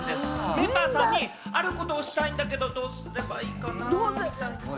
メンバーさんにあることをしたいんだけど、どうすればいいかな。